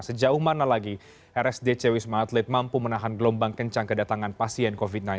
sejauh mana lagi rsdc wisma atlet mampu menahan gelombang kencang kedatangan pasien covid sembilan belas